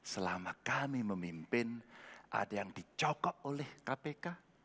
selama kami memimpin ada yang dicokok oleh kpk